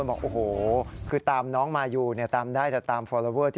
มันเยอะมาก